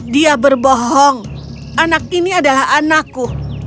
dia berbohong anak ini adalah anakku